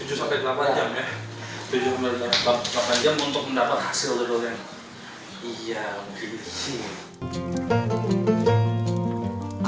untuk mendapat hasil dodol yang bersih